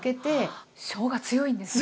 しょうが強いんですね。